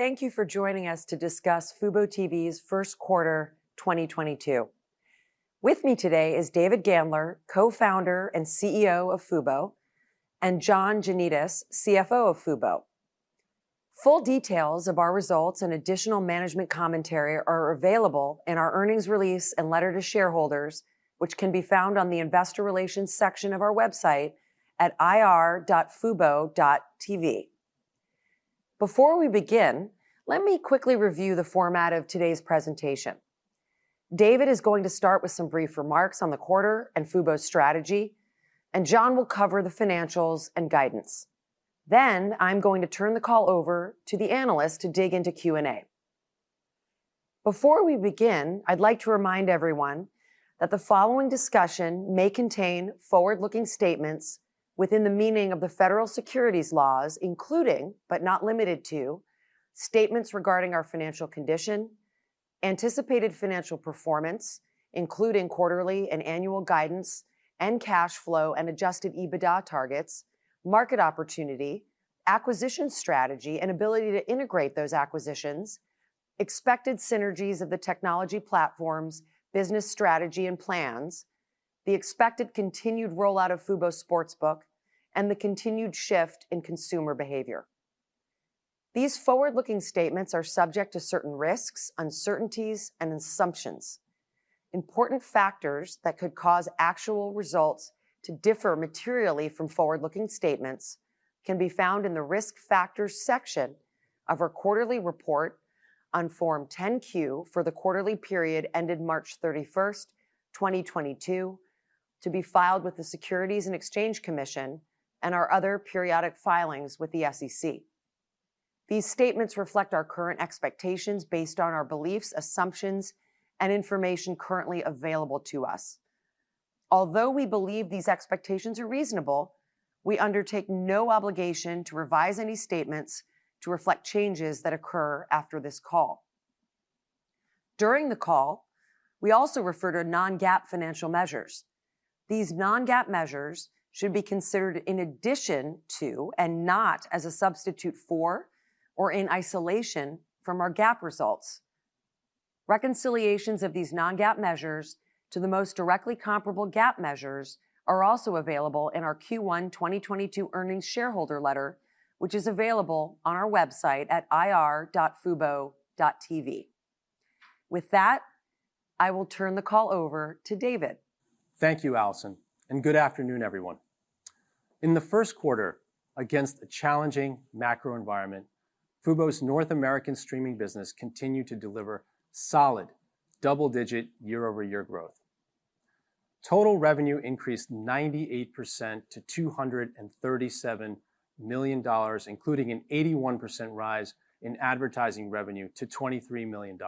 Thank you for joining us to discuss fuboTV's first quarter 2022. With me today is David Gandler, Co-founder and CEO of fubo, and John Janedis, CFO of fubo. Full details of our results and additional management commentary are available in our earnings release and letter to shareholders, which can be found on the investor relations section of our website at ir.fubo.tv. Before we begin, let me quickly review the format of today's presentation. David is going to start with some brief remarks on the quarter and fubo's strategy, and John will cover the financials and guidance. Then I'm going to turn the call over to the analyst to dig into Q&A. Before we begin, I'd like to remind everyone that the following discussion may contain forward-looking statements within the meaning of the federal securities laws, including, but not limited to, statements regarding our financial condition, anticipated financial performance, including quarterly and annual guidance, and cash flow and adjusted EBITDA targets, market opportunity, acquisition strategy, and ability to integrate those acquisitions, expected synergies of the technology platforms, business strategy and plans, the expected continued rollout of Fubo Sportsbook, and the continued shift in consumer behavior. These forward-looking statements are subject to certain risks, uncertainties, and assumptions. Important factors that could cause actual results to differ materially from forward-looking statements can be found in the Risk Factors section of our quarterly report on Form 10-Q for the quarterly period ended March 31st, 2022, to be filed with the Securities and Exchange Commission and our other periodic filings with the SEC. These statements reflect our current expectations based on our beliefs, assumptions, and information currently available to us. Although we believe these expectations are reasonable, we undertake no obligation to revise any statements to reflect changes that occur after this call. During the call, we also refer to non-GAAP financial measures. These non-GAAP measures should be considered in addition to and not as a substitute for or in isolation from our GAAP results. Reconciliations of these non-GAAP measures to the most directly comparable GAAP measures are also available in our Q1 2022 earnings shareholder letter, which is available on our website at ir.fubo.tv. With that, I will turn the call over to David. Thank you, Alison, and good afternoon, everyone. In the first quarter, against a challenging macro environment, fubo's North American streaming business continued to deliver solid double-digit year-over-year growth. Total revenue increased 98% to $237 million, including an 81% rise in advertising revenue to $23 million.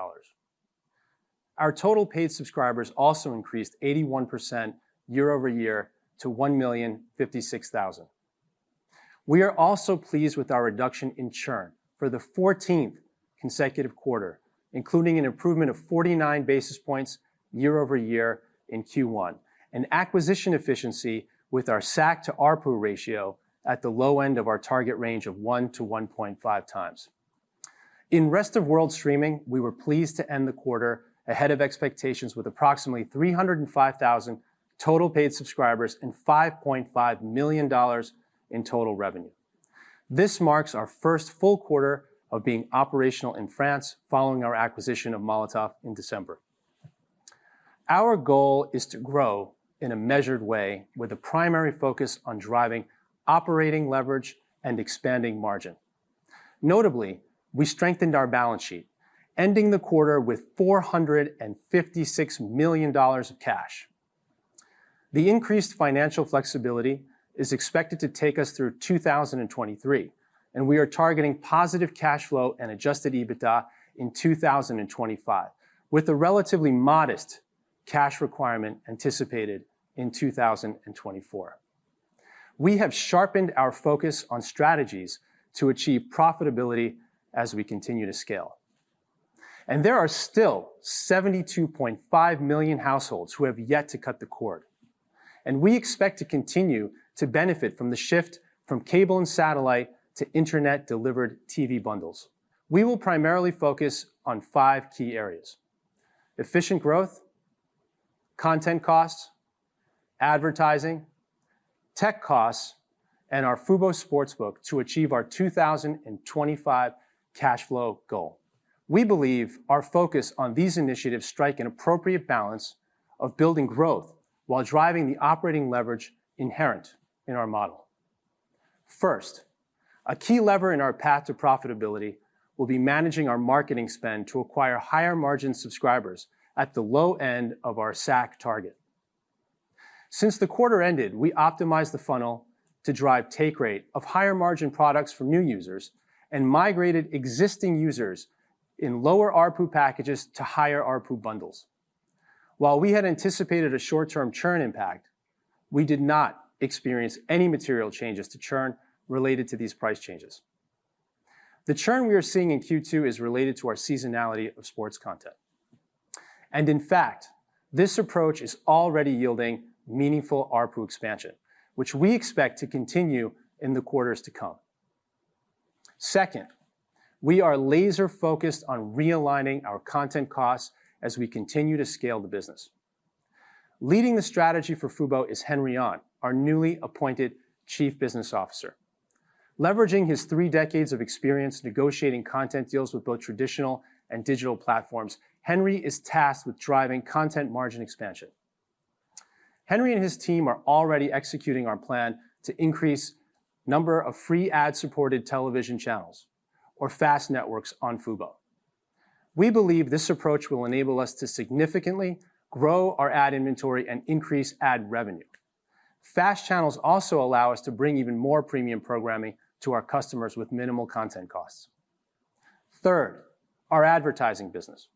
Our total paid subscribers also increased 81% year-over-year to 1,056,000. We are also pleased with our reduction in churn for the 14th consecutive quarter, including an improvement of 49 basis points year-over-year in Q1, and acquisition efficiency with our SAC-to-ARPU ratio at the low end of our target range of 1-1.5x. In rest of world streaming, we were pleased to end the quarter ahead of expectations with approximately 305,000 total paid subscribers and $5.5 million in total revenue. This marks our first full quarter of being operational in France following our acquisition of Molotov in December. Our goal is to grow in a measured way with a primary focus on driving operating leverage and expanding margin. Notably, we strengthened our balance sheet, ending the quarter with $456 million of cash. The increased financial flexibility is expected to take us through 2023, and we are targeting positive cash flow and adjusted EBITDA in 2025, with a relatively modest cash requirement anticipated in 2024. We have sharpened our focus on strategies to achieve profitability as we continue to scale. There are still 72.5 million households who have yet to cut the cord, and we expect to continue to benefit from the shift from cable and satellite to internet-delivered TV bundles. We will primarily focus on five key areas, efficient growth, content costs, advertising, tech costs, and our fubo Sportsbook to achieve our 2025 cash flow goal. We believe our focus on these initiatives strike an appropriate balance of building growth while driving the operating leverage inherent in our model. First, a key lever in our path to profitability will be managing our marketing spend to acquire higher margin subscribers at the low end of our SAC target. Since the quarter ended, we optimized the funnel to drive take rate of higher margin products for new users and migrated existing users in lower ARPU packages to higher ARPU bundles. While we had anticipated a short-term churn impact, we did not experience any material changes to churn related to these price changes. The churn we are seeing in Q2 is related to our seasonality of sports content. In fact, this approach is already yielding meaningful ARPU expansion, which we expect to continue in the quarters to come. Second, we are laser-focused on realigning our content costs as we continue to scale the business. Leading the strategy for fubo is Henry Ahn, our newly appointed Chief Business Officer. Leveraging his three decades of experience negotiating content deals with both traditional and digital platforms, Henry is tasked with driving content margin expansion. Henry and his team are already executing our plan to increase number of free ad-supported television channels or FAST Networks on fubo. We believe this approach will enable us to significantly grow our ad inventory and increase ad revenue. FAST channels also allow us to bring even more premium programming to our customers with minimal content costs. Third, our advertising business.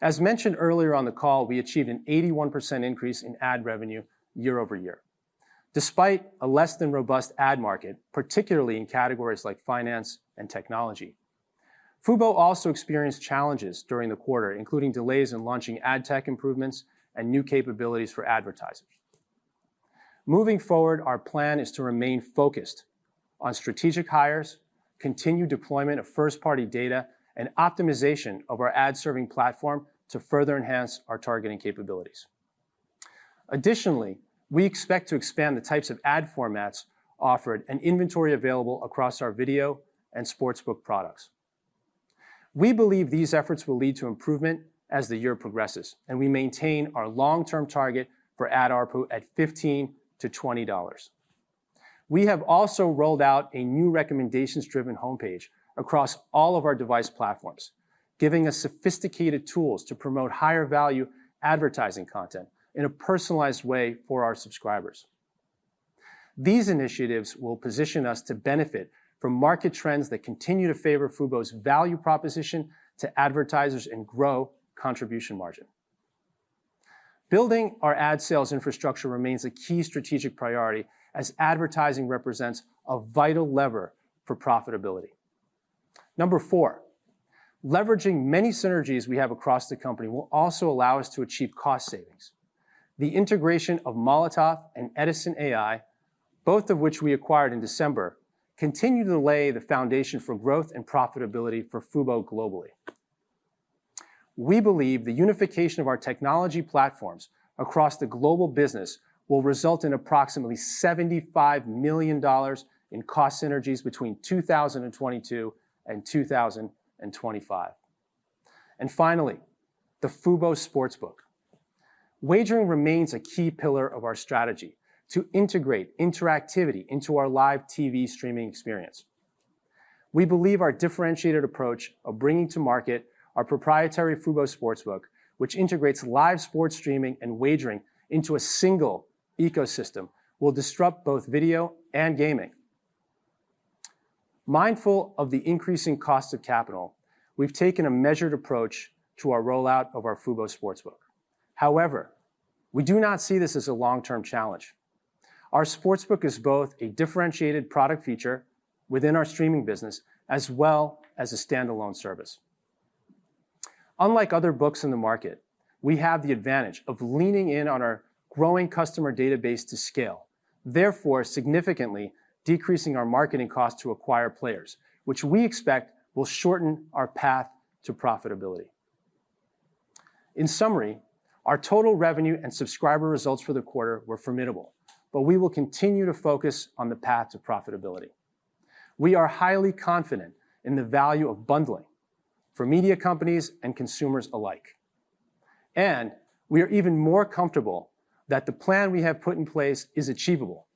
As mentioned earlier on the call, we achieved an 81% increase in ad revenue year-over-year, despite a less than robust ad market, particularly in categories like finance and technology. fubo also experienced challenges during the quarter, including delays in launching ad tech improvements and new capabilities for advertisers. Moving forward, our plan is to remain focused on strategic hires, continued deployment of first-party data, and optimization of our ad-serving platform to further enhance our targeting capabilities. Additionally, we expect to expand the types of ad formats offered and inventory available across our video and sportsbook products. We believe these efforts will lead to improvement as the year progresses, and we maintain our long-term target for ad ARPU at $15-$20. We have also rolled out a new recommendations-driven homepage across all of our device platforms, giving us sophisticated tools to promote higher value advertising content in a personalized way for our subscribers. These initiatives will position us to benefit from market trends that continue to favor fubo's value proposition to advertisers and grow contribution margin. Building our ad sales infrastructure remains a key strategic priority as advertising represents a vital lever for profitability. Number four, leveraging many synergies we have across the company will also allow us to achieve cost savings. The integration of Molotov and Edisn.ai, both of which we acquired in December, continue to lay the foundation for growth and profitability for fubo globally. We believe the unification of our technology platforms across the global business will result in approximately $75 million in cost synergies between 2022 and 2025. Finally, the fubo Sportsbook. Wagering remains a key pillar of our strategy to integrate interactivity into our live TV streaming experience. We believe our differentiated approach of bringing to market our proprietary fubo Sportsbook, which integrates live sports streaming and wagering into a single ecosystem, will disrupt both video and gaming. Mindful of the increasing cost of capital, we've taken a measured approach to our rollout of our fubo Sportsbook. However, we do not see this as a long-term challenge. Our Sportsbook is both a differentiated product feature within our streaming business as well as a standalone service. Unlike other books in the market, we have the advantage of leaning in on our growing customer database to scale, therefore, significantly decreasing our marketing cost to acquire players, which we expect will shorten our path to profitability. In summary, our total revenue and subscriber results for the quarter were formidable, but we will continue to focus on the path to profitability. We are highly confident in the value of bundling for media companies and consumers alike. We are even more comfortable that the plan we have put in place is achievable.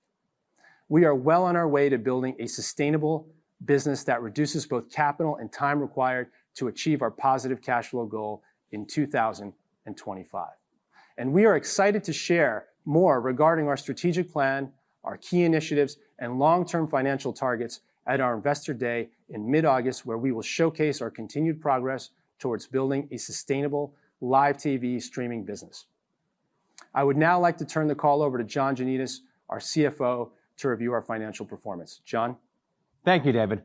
We are well on our way to building a sustainable business that reduces both capital and time required to achieve our positive cash flow goal in 2025. We are excited to share more regarding our strategic plan, our key initiatives, and long-term financial targets at our Investor Day in mid-August, where we will showcase our continued progress towards building a sustainable live TV streaming business. I would now like to turn the call over to John Janedis, our CFO, to review our financial performance. John. Thank you, David,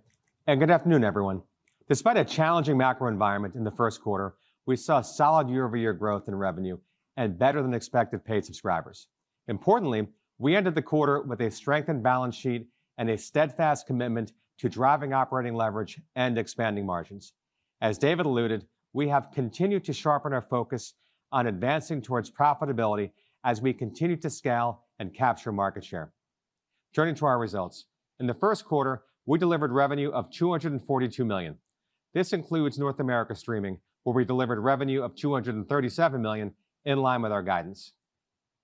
and good afternoon, everyone. Despite a challenging macro environment in the first quarter, we saw solid year-over-year growth in revenue and better than expected paid subscribers. Importantly, we ended the quarter with a strengthened balance sheet and a steadfast commitment to driving operating leverage and expanding margins. As David alluded, we have continued to sharpen our focus on advancing towards profitability as we continue to scale and capture market share. Turning to our results. In the first quarter, we delivered revenue of $242 million. This includes North America streaming, where we delivered revenue of $237 million, in line with our guidance.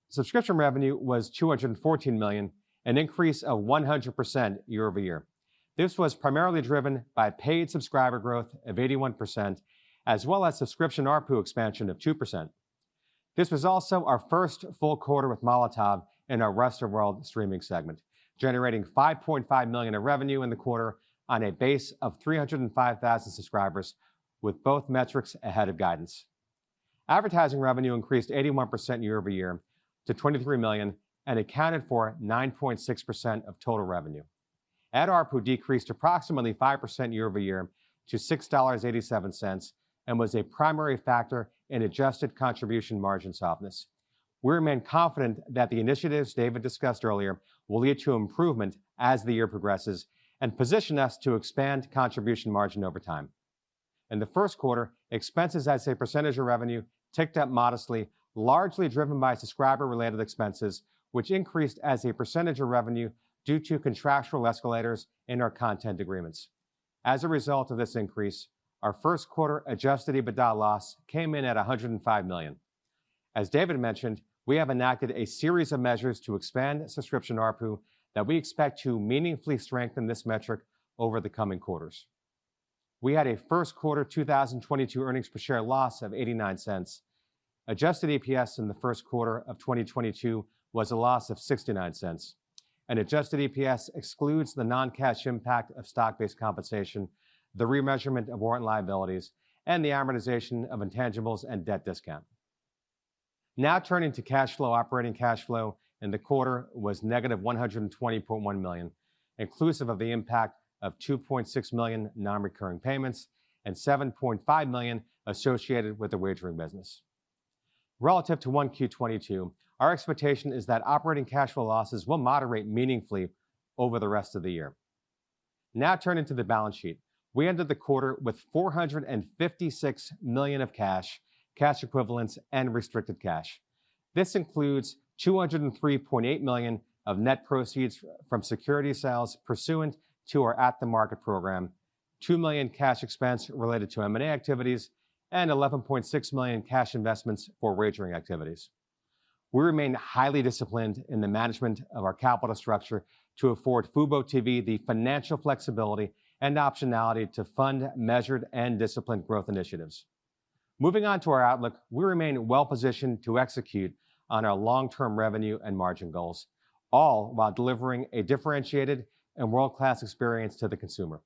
Subscription revenue was $214 million, an increase of 100% year-over-year. This was primarily driven by paid subscriber growth of 81%, as well as subscription ARPU expansion of 2%. This was also our first full quarter with Molotov in our Rest of World streaming segment, generating $5.5 million of revenue in the quarter on a base of 305,000 subscribers, with both metrics ahead of guidance. Advertising revenue increased 81% year-over-year to $23 million and accounted for 9.6% of total revenue. Ad ARPU decreased approximately 5% year-over-year to $6.87 and was a primary factor in adjusted contribution margin softness. We remain confident that the initiatives David discussed earlier will lead to improvement as the year progresses and position us to expand contribution margin over time. In the first quarter, expenses as a percentage of revenue ticked up modestly, largely driven by subscriber related expenses, which increased as a percentage of revenue due to contractual escalators in our content agreements. As a result of this increase, our first quarter adjusted EBITDA loss came in at $105 million. As David mentioned, we have enacted a series of measures to expand subscription ARPU that we expect to meaningfully strengthen this metric over the coming quarters. We had a first quarter 2022 earnings per share loss of $0.89. Adjusted EPS in the first quarter of 2022 was a loss of $0.69. Adjusted EPS excludes the non-cash impact of stock-based compensation, the remeasurement of warrant liabilities, and the amortization of intangibles and debt discount. Now turning to cash flow. Operating cash flow in the quarter was negative $120.1 million, inclusive of the impact of $2.6 million non-recurring payments and $7.5 million associated with the wagering business. Relative to 1Q 2022, our expectation is that operating cash flow losses will moderate meaningfully over the rest of the year. Now turning to the balance sheet. We ended the quarter with $456 million of cash equivalents and restricted cash. This includes $203.8 million of net proceeds from security sales pursuant to our at-the-market program, $2 million cash expense related to M&A activities, and $11.6 million cash investments for wagering activities. We remain highly disciplined in the management of our capital structure to afford fuboTV the financial flexibility and optionality to fund measured and disciplined growth initiatives. Moving on to our outlook, we remain well positioned to execute on our long-term revenue and margin goals, all while delivering a differentiated and world-class experience to the consumer.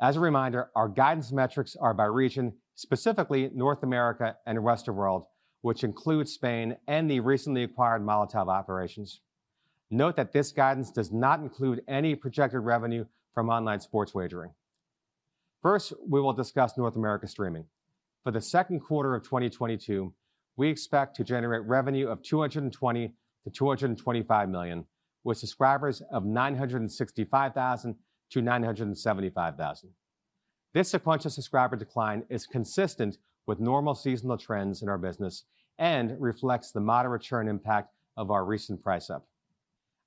As a reminder, our guidance metrics are by region, specifically North America and Rest of World, which includes Spain and the recently acquired Molotov operations. Note that this guidance does not include any projected revenue from online sports wagering. First, we will discuss North America streaming. For the second quarter of 2022, we expect to generate revenue of $220 million-$225 million, with subscribers of 965,000-975,000. This sequential subscriber decline is consistent with normal seasonal trends in our business and reflects the moderate churn impact of our recent price up.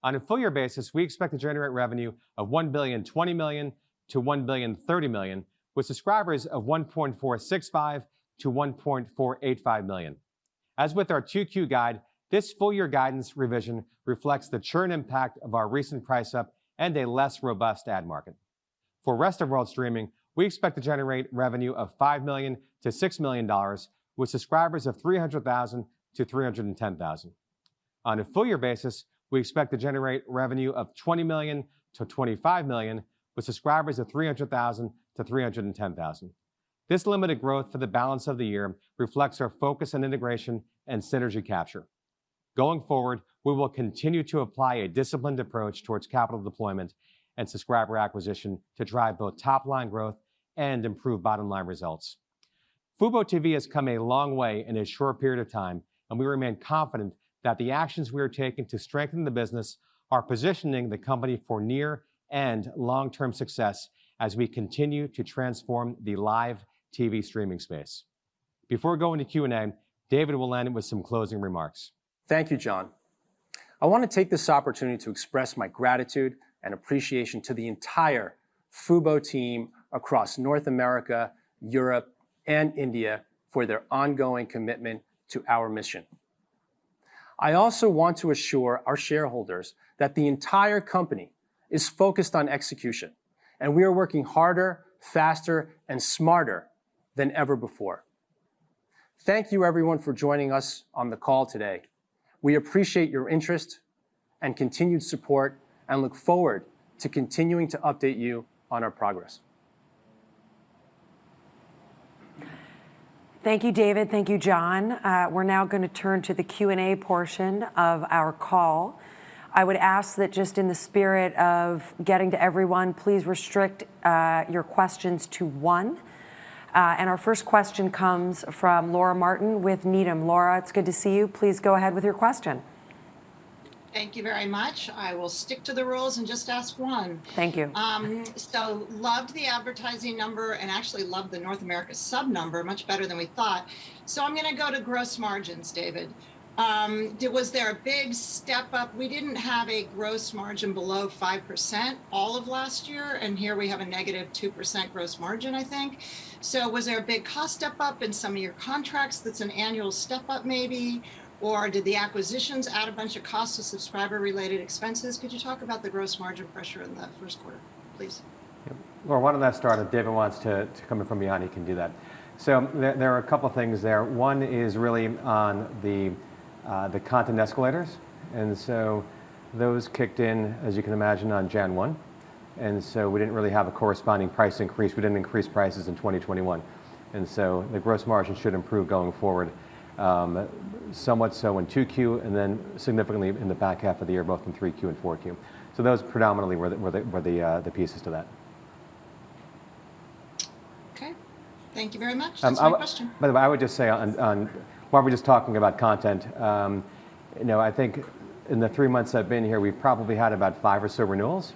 On a full year basis, we expect to generate revenue of $1.02 billion-$1.03 billion, with subscribers of 1.465-1.485 million. As with our 2Q guide, this full year guidance revision reflects the churn impact of our recent price up and a less robust ad market. For Rest of World streaming, we expect to generate revenue of $5 million-$6 million, with subscribers of 300,000-310,000. On a full year basis, we expect to generate revenue of $20 million-$25 million, with subscribers of 300,000-310,000. This limited growth for the balance of the year reflects our focus on integration and synergy capture. Going forward, we will continue to apply a disciplined approach towards capital deployment and subscriber acquisition to drive both top line growth and improve bottom line results. fuboTV has come a long way in a short period of time, and we remain confident that the actions we are taking to strengthen the business are positioning the company for near and long-term success as we continue to transform the live TV streaming space. Before going to Q&A, David will end with some closing remarks. Thank you, John. I wanna take this opportunity to express my gratitude and appreciation to the entire fubo team across North America, Europe, and India for their ongoing commitment to our mission. I also want to assure our shareholders that the entire company is focused on execution, and we are working harder, faster, and smarter than ever before. Thank you everyone for joining us on the call today. We appreciate your interest and continued support and look forward to continuing to update you on our progress. Thank you, David. Thank you, John. We're now gonna turn to the Q&A portion of our call. I would ask that just in the spirit of getting to everyone, please restrict your questions to one. Our first question comes from Laura Martin with Needham. Laura, it's good to see you. Please go ahead with your question. Thank you very much. I will stick to the rules and just ask one. Thank you. Loved the advertising number and actually loved the North America sub number, much better than we thought. I'm gonna go to gross margins, David. Was there a big step up? We didn't have a gross margin below 5% all of last year, and here we have a negative 2% gross margin, I think. Was there a big cost step up in some of your contracts that's an annual step up maybe? Or did the acquisitions add a bunch of cost to subscriber related expenses? Could you talk about the gross margin pressure in the first quarter, please? Yeah. Laura, why don't I start, if David wants to come in from behind, he can do that. There are a couple things there. One is really on the content escalators, and those kicked in, as you can imagine, on January 1. We didn't really have a corresponding price increase. We didn't increase prices in 2021, and so the gross margin should improve going forward, somewhat so in 2Q and then significantly in the back half of the year, both in 3Q and 4Q. Those predominantly were the pieces to that. Okay. Thank you very much. Um, I- That's my question. By the way, I would just say on while we're just talking about content, you know, I think in the three months I've been here, we've probably had about 5 or so renewals,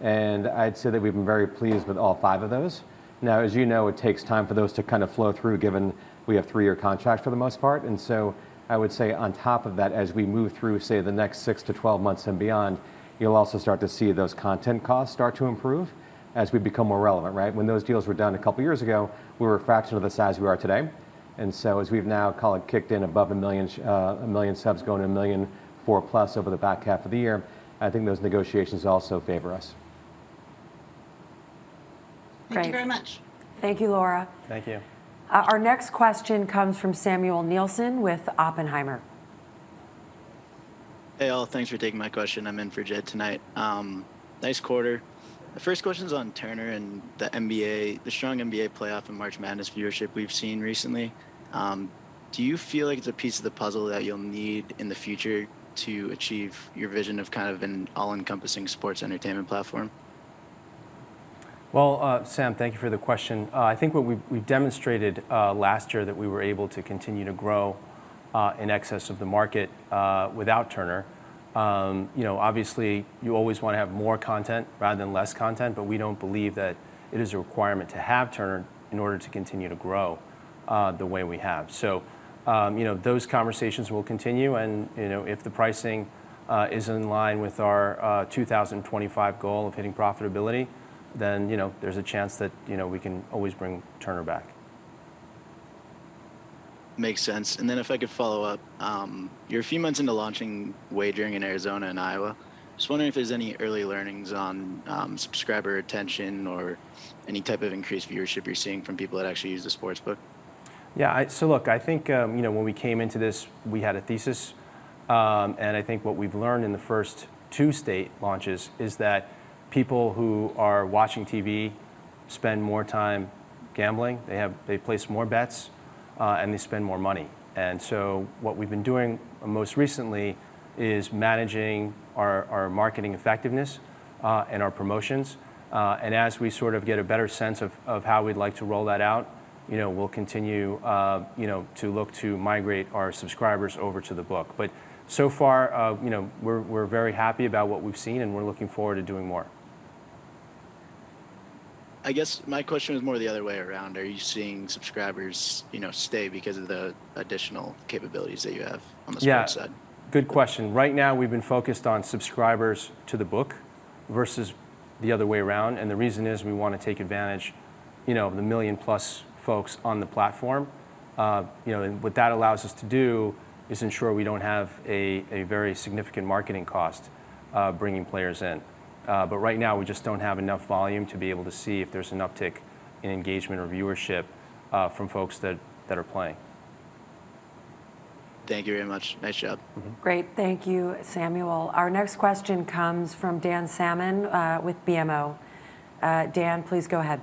and I'd say that we've been very pleased with all five of those. Now, as you know, it takes time for those to kind of flow through, given we have three-year contracts for the most part. I would say on top of that, as we move through, say, the next 6-12 months and beyond, you'll also start to see those content costs start to improve as we become more relevant, right? When those deals were done a couple years ago, we were a fraction of the size we are today. As we've now call it kicked in above 1 million subs going to 1.4 million plus over the back half of the year, I think those negotiations also favor us. Thank you very much. Great. Thank you, Laura. Thank you. Our next question comes from Samuel Nielsen with Oppenheimer. Hey, all. Thanks for taking my question. I'm in for Jed tonight. Nice quarter. The first question's on Turner and the NBA, the strong NBA playoff and March Madness viewership we've seen recently. Do you feel like it's a piece of the puzzle that you'll need in the future to achieve your vision of kind of an all-encompassing sports entertainment platform? Well, Sam, thank you for the question. I think what we demonstrated last year that we were able to continue to grow in excess of the market without Turner. You know, obviously, you always wanna have more content rather than less content, but we don't believe that it is a requirement to have Turner in order to continue to grow the way we have. You know, those conversations will continue and, you know, if the pricing is in line with our 2025 goal of hitting profitability, then, you know, there's a chance that, you know, we can always bring Turner back. Makes sense. If I could follow up. You're a few months into launching wagering in Arizona and Iowa. Just wondering if there's any early learnings on, subscriber retention or any type of increased viewership you're seeing from people that actually use the sportsbook? Yeah. Look, I think, you know, when we came into this, we had a thesis. I think what we've learned in the first two state launches is that people who are watching TV spend more time gambling. They place more bets, and they spend more money. What we've been doing most recently is managing our marketing effectiveness, and our promotions. As we sort of get a better sense of how we'd like to roll that out, you know, we'll continue, you know, to look to migrate our subscribers over to the book. So far, you know, we're very happy about what we've seen, and we're looking forward to doing more. I guess my question is more the other way around. Are you seeing subscribers, you know, stay because of the additional capabilities that you have on the sports side? Yeah. Good question. Right now, we've been focused on subscribers to the book versus the other way around, and the reason is we wanna take advantage, you know, of the million-plus folks on the platform. You know, and what that allows us to do is ensure we don't have a very significant marketing cost, bringing players in. Right now we just don't have enough volume to be able to see if there's an uptick in engagement or viewership from folks that are playing. Thank you very much. Nice job. Mm-hmm. Great. Thank you, Samuel. Our next question comes from Dan Salmon with BMO. Dan, please go ahead.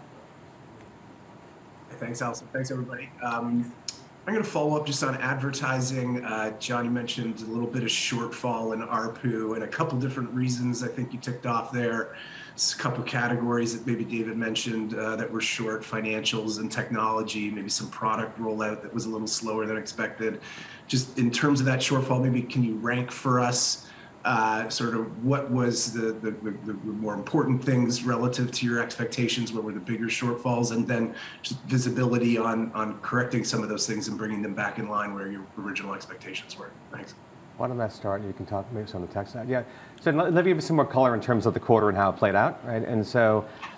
Thanks, Alison. Thanks, everybody. I'm gonna follow up just on advertising. John, you mentioned a little bit of shortfall in ARPU and a couple different reasons I think you ticked off there. Just a couple categories that maybe David mentioned, that were short, financials and technology, maybe some product rollout that was a little slower than expected. Just in terms of that shortfall, maybe can you rank for us, sort of what was the more important things relative to your expectations? What were the bigger shortfalls? Then just visibility on correcting some of those things and bringing them back in line where your original expectations were. Thanks. Why don't I start, and you can talk maybe on the tech side? Yeah. Let me give you some more color in terms of the quarter and how it played out, right?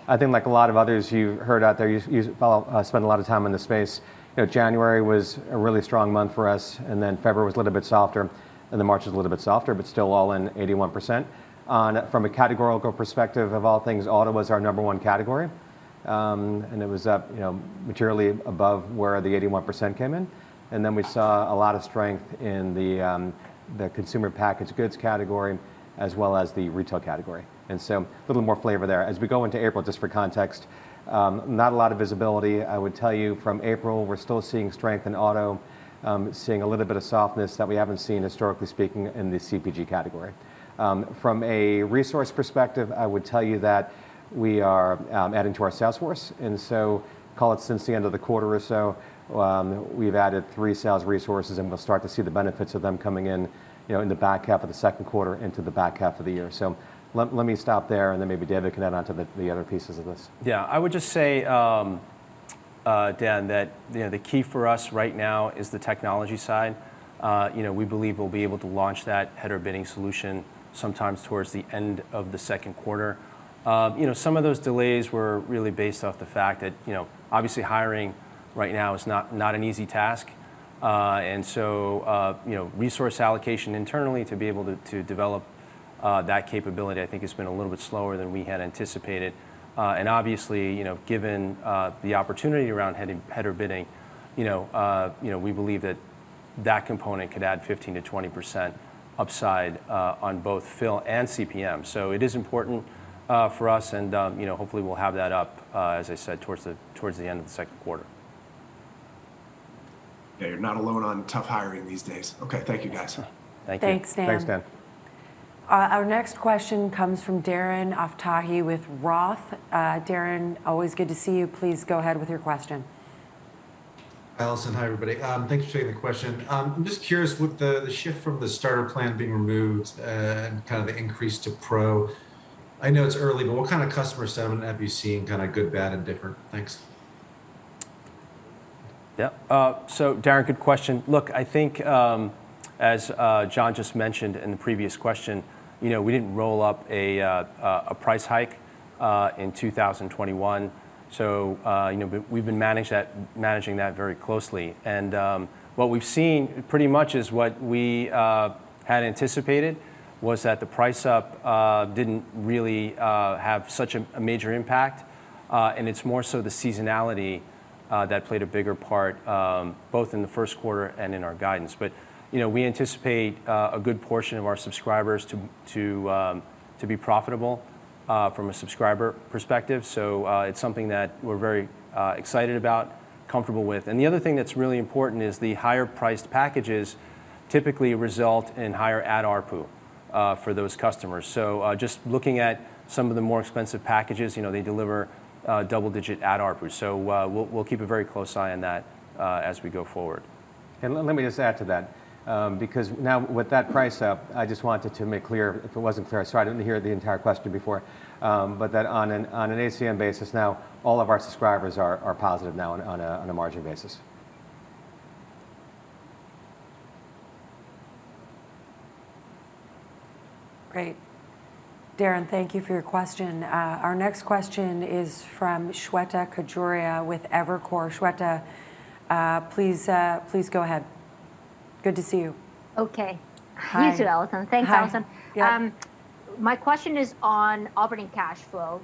I think like a lot of others you've heard out there, you follow spend a lot of time in the space. You know, January was a really strong month for us, and then February was a little bit softer, and then March was a little bit softer, but still all in 81%. From a categorical perspective of all things, auto was our number one category. It was up, you know, materially above where the 81% came in. We saw a lot of strength in the consumer packaged goods category as well as the retail category, and so a little more flavor there. As we go into April, just for context, not a lot of visibility. I would tell you from April, we're still seeing strength in auto, seeing a little bit of softness that we haven't seen, historically speaking, in the CPG category. From a resource perspective, I would tell you that we are adding to our sales force. Call it since the end of the quarter or so, we've added three sales resources, and we'll start to see the benefits of them coming in, you know, in the back half of the second quarter into the back half of the year. Let me stop there, and then maybe David can add on to the other pieces of this. Yeah. I would just say, Dan, that, you know, the key for us right now is the technology side. You know, we believe we'll be able to launch that header bidding solution sometime towards the end of the second quarter. You know, some of those delays were really based off the fact that, you know, obviously hiring right now is not an easy task. You know, resource allocation internally to be able to develop that capability I think has been a little bit slower than we had anticipated. You know, given the opportunity around header bidding, you know, you know, we believe that component could add 15%-20% upside on both fill and CPM. It is important for us and, you know, hopefully we'll have that up, as I said, towards the end of the second quarter. Yeah, you're not alone on tough hiring these days. Okay. Thank you, guys. Yeah. Thank you. Thanks, Dan. Thanks, Dan. Our next question comes from Darren Aftahi with Roth. Darren, always good to see you. Please go ahead with your question. Alison, hi, everybody. Thanks for taking the question. I'm just curious with the shift from the Starter plan being removed, and kind of the increase to Pro, I know it's early, but what kind of customer sentiment have you seen, kind of good, bad, and different? Thanks. Yeah. Darren, good question. Look, I think as John just mentioned in the previous question, you know, we didn't roll out a price hike in 2021, you know, we've been managing that very closely. What we've seen pretty much is what we had anticipated, was that the price hike didn't really have such a major impact, and it's more so the seasonality that played a bigger part, both in the first quarter and in our guidance. You know, we anticipate a good portion of our subscribers to be profitable from a subscriber perspective. It's something that we're very excited about, comfortable with. The other thing that's really important is the higher priced packages typically result in higher ad ARPU for those customers. Just looking at some of the more expensive packages, you know, they deliver double-digit ad ARPUs. We'll keep a very close eye on that as we go forward. Let me just add to that, because now with that price up, I just wanted to make clear, if it wasn't clear, sorry, I didn't hear the entire question before, but that on an ACM basis now, all of our subscribers are positive now on a margin basis. Great. Darren, thank you for your question. Our next question is from Shweta Khajuria with Evercore. Shweta, please go ahead. Good to see you. Okay. Hi. You too, Alison. Hi. Thanks, Alison. Yeah. My question is on operating cash flow.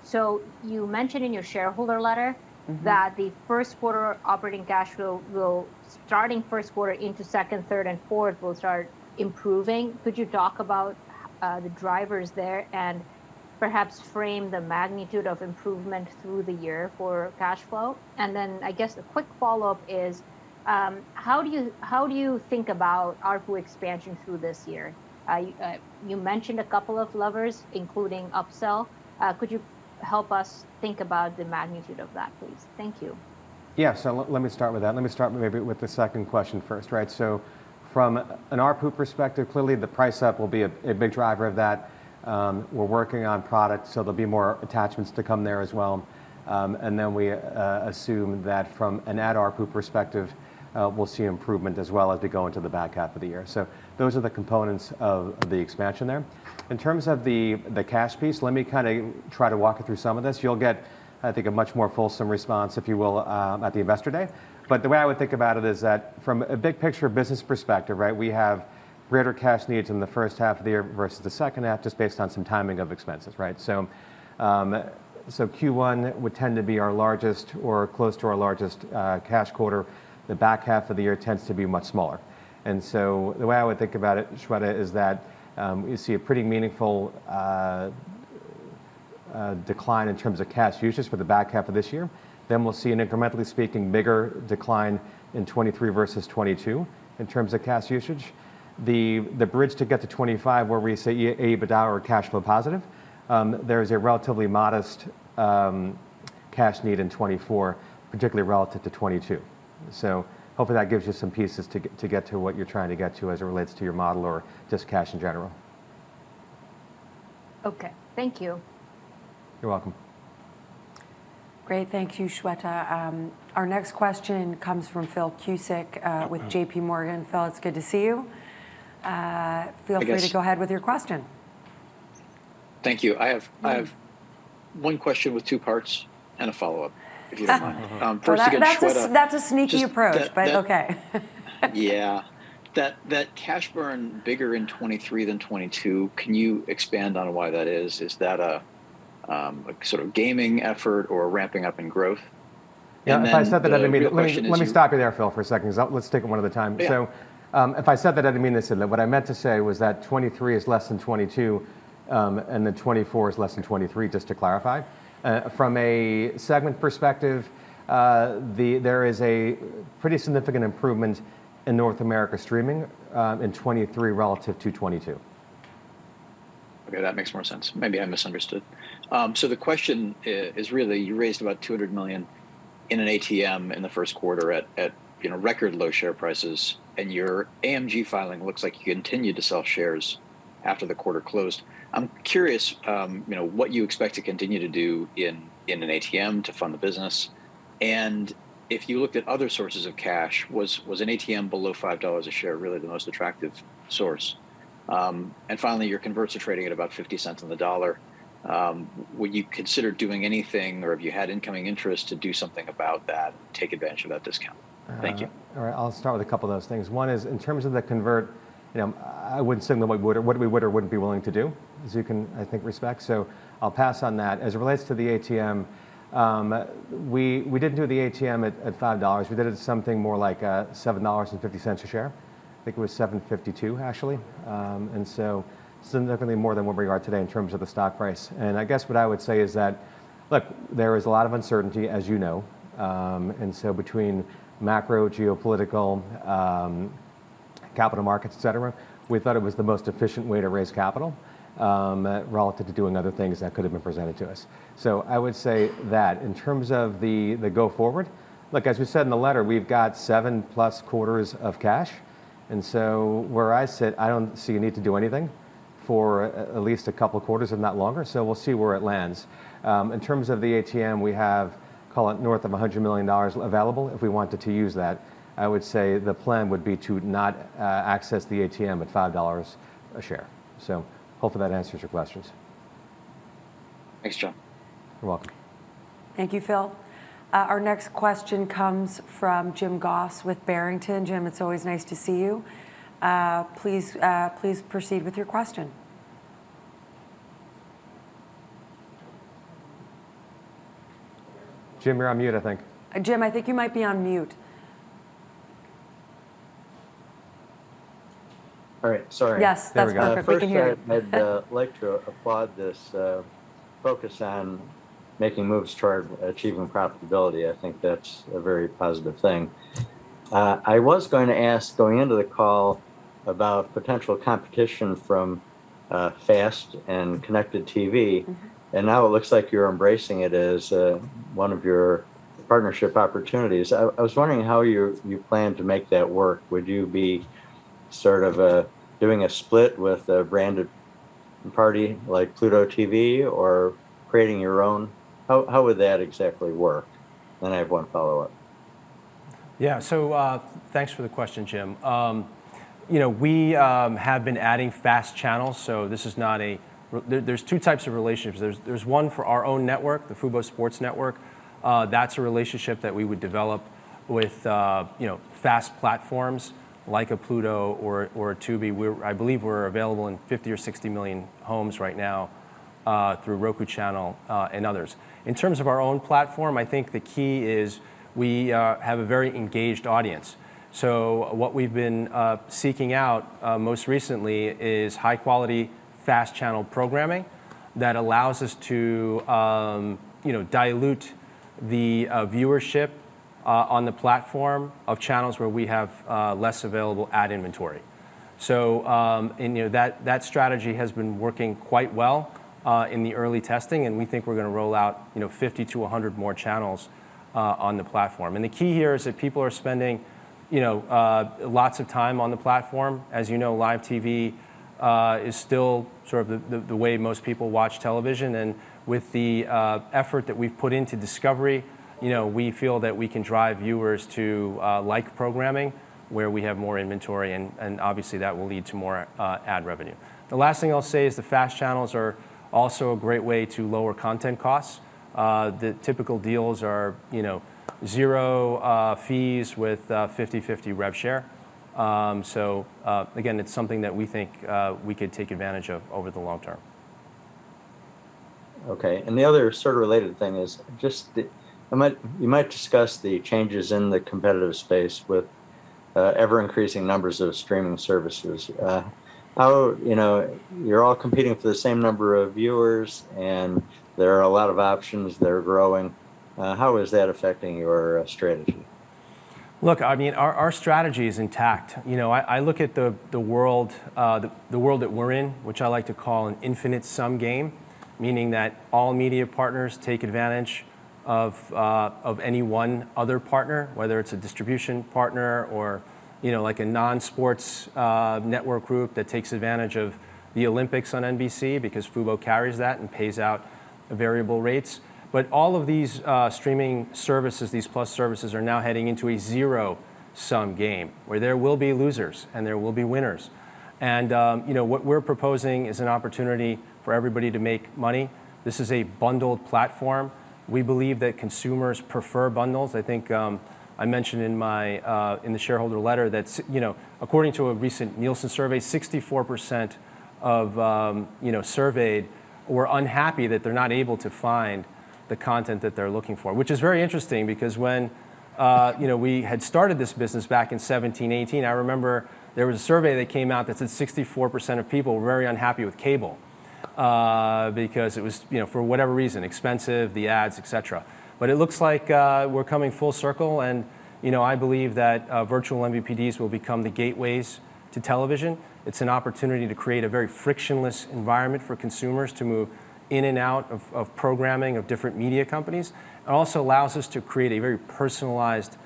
You mentioned in your shareholder letter. Mm-hmm that the first quarter operating cash flow will, starting first quarter into second, third, and fourth, will start improving. Could you talk about the drivers there and perhaps frame the magnitude of improvement through the year for cash flow? I guess a quick follow-up is, how do you think about ARPU expansion through this year? I, you mentioned a couple of levers, including upsell. Could you help us think about the magnitude of that, please? Thank you. Yeah. Let me start with that. Let me start maybe with the second question first, right? From an ARPU perspective, clearly the price up will be a big driver of that. We're working on product, so there'll be more attachments to come there as well. And then we assume that from an ad ARPU perspective, we'll see improvement as well as we go into the back half of the year. Those are the components of the expansion there. In terms of the cash piece, let me kinda try to walk you through some of this. You'll get, I think, a much more fulsome response, if you will, at the Investor Day. The way I would think about it is that from a big picture business perspective, right, we have greater cash needs in the first half of the year versus the second half, just based on some timing of expenses, right? Q1 would tend to be our largest or close to our largest cash quarter. The back half of the year tends to be much smaller. The way I would think about it, Shweta, is that you see a pretty meaningful decline in terms of cash usage for the back half of this year. Then we'll see an incrementally speaking bigger decline in 2023 versus 2022 in terms of cash usage. The bridge to get to 2025, where we say EBITDA or cash flow positive, there's a relatively modest cash need in 2024, particularly relative to 2022. Hopefully that gives you some pieces to get to what you're trying to get to as it relates to your model or just cash in general. Okay. Thank you. You're welcome. Great. Thank you, Shweta. Our next question comes from Phil Cusick with JPMorgan. Phil, it's good to see you. Feel free- I guess. To go ahead with your question. Thank you. I have one question with two parts and a follow-up, if you don't mind. Mm-hmm. Well, that's a sneaky approach. Just that okay. Yeah. That cash burn bigger in 2023 than 2022, can you expand on why that is? Is that a sort of gaming effort or ramping up in growth? Yeah, if I said that, I didn't mean it. The real question is you. Let me stop you there, Phil, for a second. Let's take them one at a time. Yeah. If I said that, I didn't mean to say that. What I meant to say was that 2023 is less than 2022, and that 2024 is less than 2023, just to clarify. From a segment perspective, there is a pretty significant improvement in North America Streaming, in 2023 relative to 2022. Okay, that makes more sense. Maybe I misunderstood. The question is really, you raised about $200 million in an ATM in the first quarter at you know, record low share prices, and your ATM filing looks like you continued to sell shares after the quarter closed. I'm curious, you know, what you expect to continue to do in an ATM to fund the business, and if you looked at other sources of cash, was an ATM below $5 a share really the most attractive source? Finally, your converts are trading at about $0.50 on the dollar. Would you consider doing anything, or have you had incoming interest to do something about that, take advantage of that discount? Thank you. All right. I'll start with a couple of those things. One is, in terms of the convertible, you know, I wouldn't signal what we would or wouldn't be willing to do, as you can respect, I think. I'll pass on that. As it relates to the ATM, we didn't do the ATM at $5. We did it at something more like $7.50 a share. I think it was $7.52, actually. Significantly more than where we are today in terms of the stock price. I guess what I would say is that, look, there is a lot of uncertainty as you know. Between macro geopolitical, capital markets, et cetera, we thought it was the most efficient way to raise capital, relative to doing other things that could have been presented to us. I would say that in terms of the go forward, look, as we said in the letter, we've got 7+ quarters of cash. Where I sit, I don't see a need to do anything for at least a couple quarters if not longer. We'll see where it lands. In terms of the ATM, we have, call it, north of $100 million available if we wanted to use that. I would say the plan would be to not access the ATM at $5 a share. Hopefully that answers your questions. Thanks, John. You're welcome. Thank you, Phil. Our next question comes from Jim Goss with Barrington. Jim, it's always nice to see you. Please proceed with your question. Jim, you're on mute, I think. Jim, I think you might be on mute. All right. Sorry. Yes, that's perfect. We can hear you. There we go. First, I'd like to applaud this focus on making moves toward achieving profitability. I think that's a very positive thing. I was going to ask going into the call about potential competition from FAST and connected TV. Mm-hmm. Now it looks like you're embracing it as one of your partnership opportunities. I was wondering how you plan to make that work. Would you be sort of doing a split with a branded party like Pluto TV or creating your own? How would that exactly work? Then I have one follow up. Yeah. Thanks for the question, Jim. You know, we have been adding FAST channels. There are two types of relationships. There's one for our own network, the fubo Sports Network. That's a relationship that we would develop with, you know, FAST platforms like Pluto TV or Tubi. I believe we're available in 50 or 60 million homes right now, through The Roku Channel, and others. In terms of our own platform, I think the key is we have a very engaged audience. What we've been seeking out most recently is high-quality FAST channel programming that allows us to, you know, dilute the viewership on the platform of channels where we have less available ad inventory. You know, that strategy has been working quite well in the early testing, and we think we're gonna roll out, you know, 50 to 100 more channels on the platform. The key here is that people are spending, you know, lots of time on the platform. As you know, live TV is still sort of the way most people watch television. With the effort that we've put into discovery, you know, we feel that we can drive viewers to like programming where we have more inventory and obviously that will lead to more ad revenue. The last thing I'll say is the FAST channels are also a great way to lower content costs. The typical deals are, you know, zero fees with 50-50 rev share. Again, it's something that we think we could take advantage of over the long term. Okay. The other sort of related thing is just you might discuss the changes in the competitive space with ever increasing numbers of streaming services. How, you know, you're all competing for the same number of viewers, and there are a lot of options that are growing. How is that affecting your strategy? Look, I mean, our strategy is intact. You know, I look at the world that we're in, which I like to call an infinite sum game, meaning that all media partners take advantage of any one other partner, whether it's a distribution partner or, you know, like a non-sports network group that takes advantage of the Olympics on NBC because fubo carries that and pays out variable rates. All of these streaming services, these plus services, are now heading into a zero-sum game where there will be losers and there will be winners. You know, what we're proposing is an opportunity for everybody to make money. This is a bundled platform. We believe that consumers prefer bundles. I think I mentioned in my in the shareholder letter that you know, according to a recent Nielsen survey, 64% of you know, surveyed were unhappy that they're not able to find the content that they're looking for, which is very interesting because when you know, we had started this business back in 2017-2018, I remember there was a survey that came out that said 64% of people were very unhappy with cable because it was you know, for whatever reason, expensive, the ads, et cetera. It looks like we're coming full circle and you know, I believe that virtual MVPDs will become the gateways to television. It's an opportunity to create a very frictionless environment for consumers to move in and out of programming of different media companies. It also allows us to create a very personalized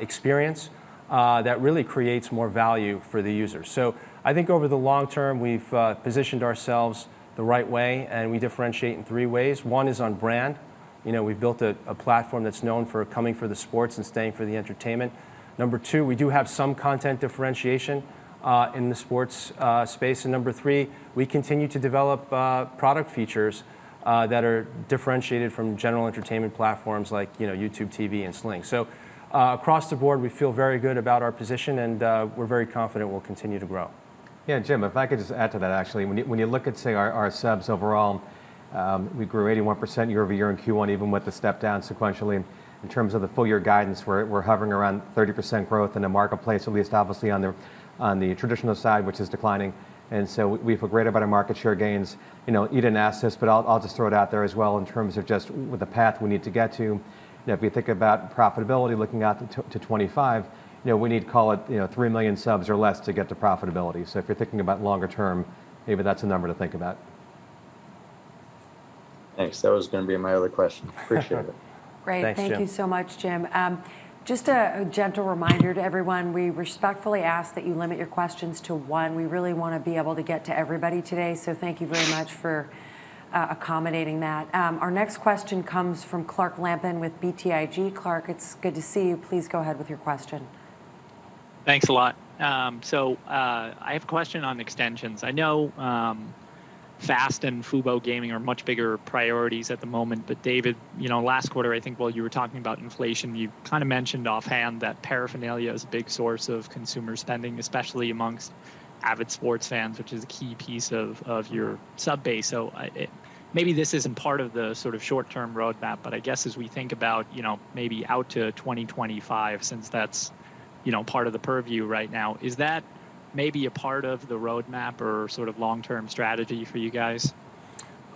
experience that really creates more value for the user. I think over the long term, we've positioned ourselves the right way, and we differentiate in three ways. One is on brand. You know, we've built a platform that's known for coming for the sports and staying for the entertainment. Number two, we do have some content differentiation in the sports space. Number three, we continue to develop product features that are differentiated from general entertainment platforms like, you know, YouTube TV and Sling. Across the board, we feel very good about our position, and we're very confident we'll continue to grow. Yeah. Jim, if I could just add to that, actually. When you look at, say, our subs overall. We grew 81% year-over-year in Q1, even with the step down sequentially. In terms of the full year guidance, we're hovering around 30% growth in a marketplace, at least obviously on the traditional side, which is declining. We feel great about our market share gains. You know, you didn't ask this, but I'll just throw it out there as well in terms of just with the path we need to get to. You know, if you think about profitability looking out to 2025, you know, we need to call it, you know, 3 million subs or less to get to profitability. If you're thinking about longer term, maybe that's a number to think about. Thanks. That was gonna be my other question. Appreciate it. Great. Thanks, Jim. Thank you so much, Jim. Just a gentle reminder to everyone, we respectfully ask that you limit your questions to one. We really wanna be able to get to everybody today, so thank you very much for accommodating that. Our next question comes from Clark Lampen with BTIG. Clark, it's good to see you. Please go ahead with your question. Thanks a lot. So, I have a question on extensions. I know, FAST and fubo Gaming are much bigger priorities at the moment, but David, you know, last quarter, I think while you were talking about inflation, you kinda mentioned offhand that paraphernalia is a big source of consumer spending, especially among avid sports fans, which is a key piece of your sub base. Maybe this isn't part of the sort of short-term roadmap, but I guess as we think about, you know, maybe out to 2025, since that's, you know, part of the purview right now, is that maybe a part of the roadmap or sort of long-term strategy for you guys?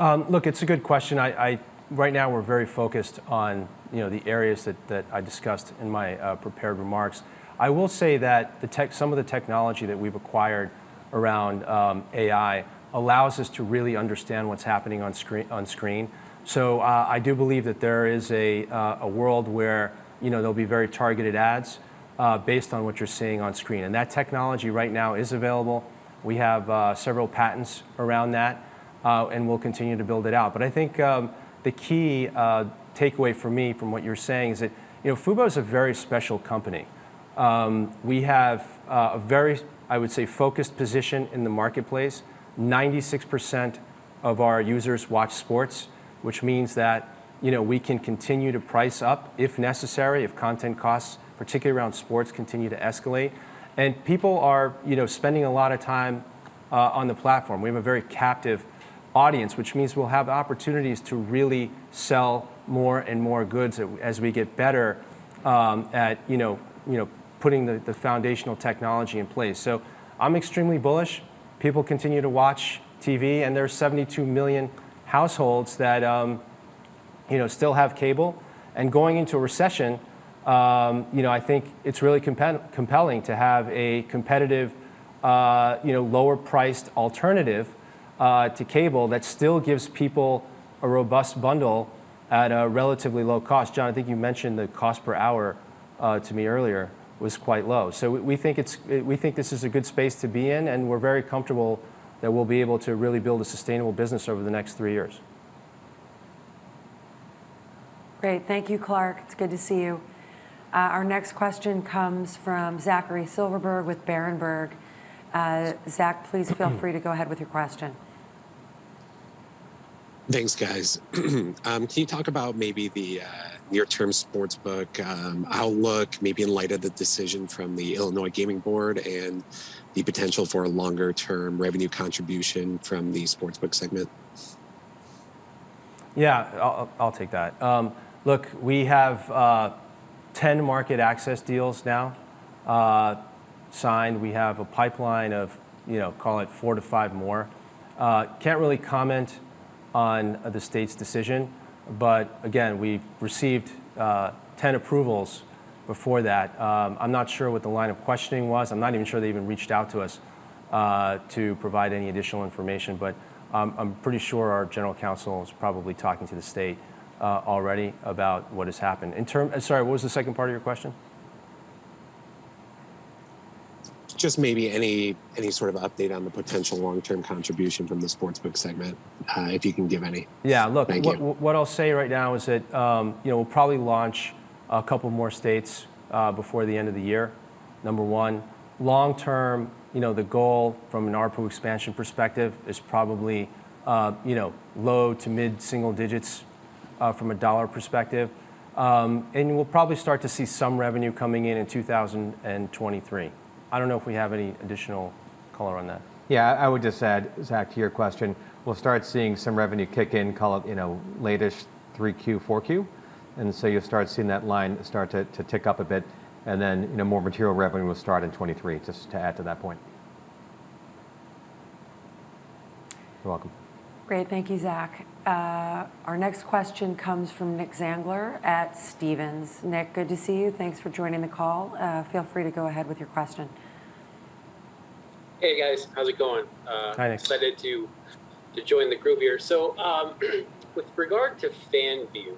Look, it's a good question. I... Right now we're very focused on, you know, the areas that I discussed in my prepared remarks. I will say that some of the technology that we've acquired around AI allows us to really understand what's happening on screen. So, I do believe that there is a world where, you know, there'll be very targeted ads based on what you're seeing on screen, and that technology right now is available. We have several patents around that, and we'll continue to build it out. But I think the key takeaway for me from what you're saying is that, you know, fubo is a very special company. We have a very, I would say, focused position in the marketplace. 96% of our users watch sports, which means that, you know, we can continue to price up if necessary, if content costs, particularly around sports, continue to escalate. People are, you know, spending a lot of time on the platform. We have a very captive audience, which means we'll have opportunities to really sell more and more goods as we get better at, you know, putting the foundational technology in place. I'm extremely bullish. People continue to watch TV, and there's 72 million households that, you know, still have cable. Going into a recession, you know, I think it's really compelling to have a competitive, you know, lower priced alternative to cable that still gives people a robust bundle at a relatively low cost. John, I think you mentioned the cost per hour to me earlier was quite low. We think this is a good space to be in, and we're very comfortable that we'll be able to really build a sustainable business over the next three years. Great. Thank you, Clark. It's good to see you. Our next question comes from Zachary Silverberg with Berenberg. Zach, please feel free to go ahead with your question. Thanks, guys. Can you talk about maybe the near-term sportsbook outlook, maybe in light of the decision from the Illinois Gaming Board, and the potential for a longer-term revenue contribution from the sportsbook segment? Yeah. I'll take that. Look, we have 10 market access deals now, signed. We have a pipeline of, you know, call it 4-5 more. Can't really comment on the state's decision, but again, we've received 10 approvals before that. I'm not sure what the line of questioning was. I'm not even sure they even reached out to us to provide any additional information. I'm pretty sure our general counsel is probably talking to the state already about what has happened. Sorry, what was the second part of your question? Just maybe any sort of update on the potential long-term contribution from the sports book segment, if you can give any. Yeah. Thank you. What I'll say right now is that, you know, we'll probably launch a couple more states before the end of the year, number one. Long-term, you know, the goal from an ARPU expansion perspective is probably, you know, low to mid-single digits from a dollar perspective. We'll probably start to see some revenue coming in in 2023. I don't know if we have any additional color on that. Yeah. I would just add, Zach, to your question, we'll start seeing some revenue kick in, call it, you know, late-ish 3Q, 4Q. You'll start seeing that line start to tick up a bit, and then, you know, more material revenue will start in 2023, just to add to that point. You're welcome. Great. Thank you, Zach. Our next question comes from Nick Zangler at Stephens. Nick, good to see you. Thanks for joining the call. Feel free to go ahead with your question. Hey, guys. How's it going? Hi, Nick. Excited to join the group here. With regard to FanView, you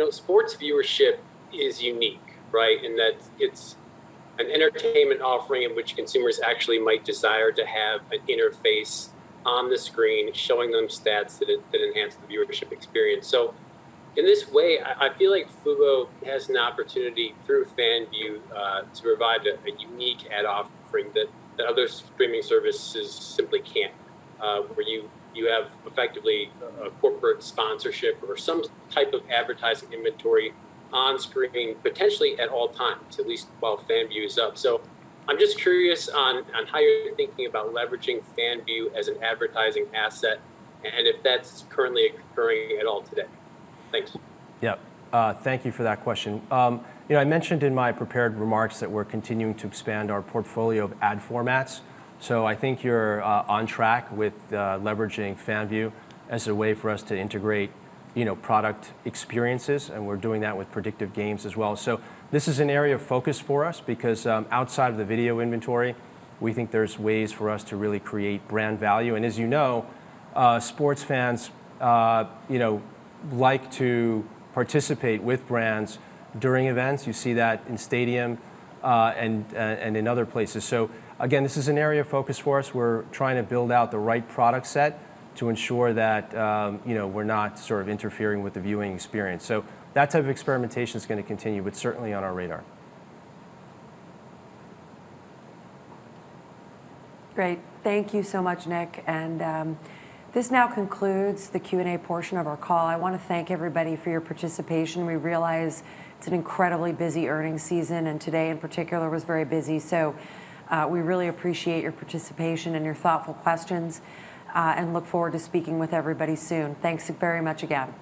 know, sports viewership is unique, right? In that it's an entertainment offering in which consumers actually might desire to have an interface on the screen showing them stats that enhance the viewership experience. In this way, I feel like fubo has an opportunity through FanView to provide a unique ad offering that other streaming services simply can't, where you have effectively a corporate sponsorship or some type of advertising inventory on screen potentially at all times, at least while FanView's up. I'm just curious on how you're thinking about leveraging FanView as an advertising asset, and if that's currently occurring at all today. Thanks. Yeah. Thank you for that question. You know, I mentioned in my prepared remarks that we're continuing to expand our portfolio of ad formats, so I think you're on track with leveraging FanView as a way for us to integrate, you know, product experiences, and we're doing that with predictive games as well. This is an area of focus for us because outside the video inventory, we think there's ways for us to really create brand value. As you know, sports fans, you know, like to participate with brands during events. You see that in stadium and in other places. Again, this is an area of focus for us. We're trying to build out the right product set to ensure that, you know, we're not sort of interfering with the viewing experience. that type of experimentation is gonna continue, but certainly on our radar. Great. Thank you so much, Nick. This now concludes the Q&A portion of our call. I wanna thank everybody for your participation. We realize it's an incredibly busy earnings season, and today in particular was very busy. We really appreciate your participation and your thoughtful questions, and look forward to speaking with everybody soon. Thanks very much again.